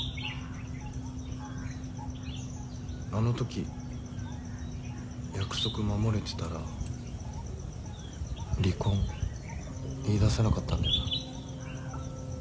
あのとき約束守れてたら離婚言いださなかったんだよな？